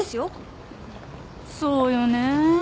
そうよねえ。